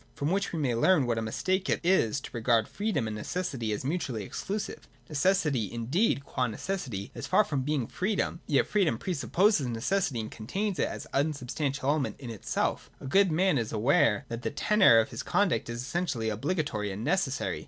From which we may learn what a mistake it is to regard freedom and necessity as mutually exclusive. Necessity indeed qua necessity is far from being freedom : yet freedom pre supposes necessity, and contains it as an unsubstantial element in itself A good man is aware that the tenor of his conduct is essentially obligatory and necessary.